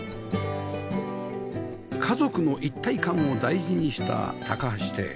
家族の一体感を大事にした高橋邸